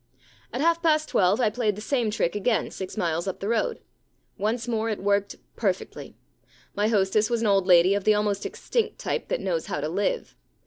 * At half past twelve I played the same trick again six miles up the road. Once more it worked perfectly. My hostess was an old lady of the almost extinct type that knows how to live.